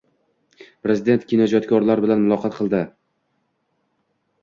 Prezident kinoijodkorlar bilan muloqot qildi